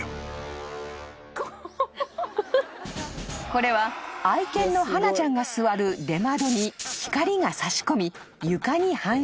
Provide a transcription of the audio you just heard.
［これは愛犬のハナちゃんが座る出窓に光が差し込み床に反射］